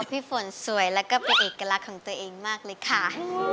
พี่ฝนสวยแล้วก็เป็นเอกลักษณ์ของตัวเองมากเลยค่ะ